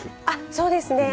そうですね。